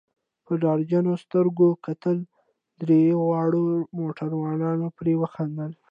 په ډار جنو سترګو کتل، دریو واړو موټروانانو پرې وخندل.